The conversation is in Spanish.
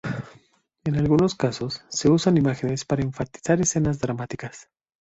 En algunos casos, se usan imágenes para enfatizar escenas dramáticas.